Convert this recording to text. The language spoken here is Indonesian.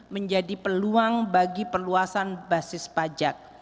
menjadi peluang bagi perluasan basis pajak